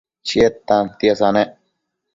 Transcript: Chied tantiesa nec